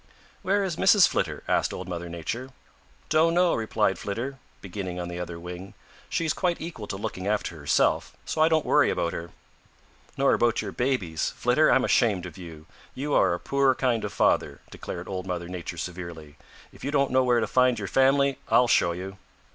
"Where is Mrs. Flitter?" asked Old Mother Nature. "Don't know," replied Flitter, beginning on the other wing. "She's quite equal to looking after herself, so I don't worry about her." "Nor about your babies. Flitter, I'm ashamed of you. You are a poor kind of father," declared Old Mother Nature severely. "If you don't know where to find your family, I'll show you."